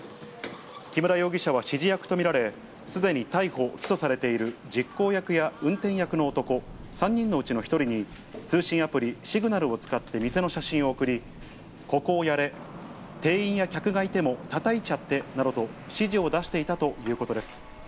木村容疑者は指示役と見られ、すでに逮捕・起訴されている、実行役や運転役の男３人のうちの１人に、通信アプリ、シグナルを使って店の写真を送り、ここをやれ、店員や客がいてもたたいちゃってなどと、指示を出していたということです。